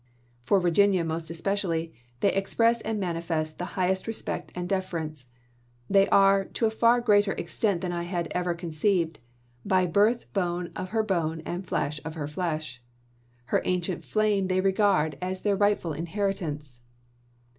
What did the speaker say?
For Virginia, jjjggj most especially, they express and manifest the high ^^f1" est respect and deference. They are, to a far greater Snai extent than I had ever conceived, by birth bone of amdent°sU her bone and flesh of her flesh. Her ancient fame sfonfisei. they regard as their rightful inheritance."